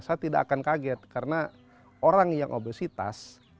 saya tidak akan kaget karena orang yang obesitas